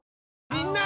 みんな！